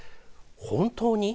本当に？